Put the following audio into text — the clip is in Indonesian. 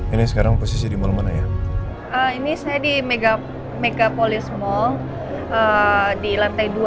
ini sekarang posisi di mana ya ini saya di mega mega polis mall di lantai dua